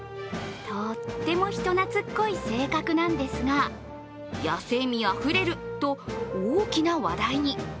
とっても人懐っこい性格なんですが野性味あふれると大きな話題に。